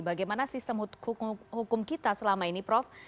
bagaimana sistem hukum kita selama ini prof